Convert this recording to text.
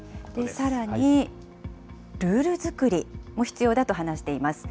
さらに、ルール作りも必要だと話しています。